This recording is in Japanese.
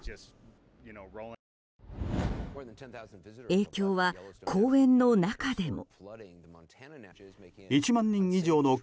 影響は公園の中でも。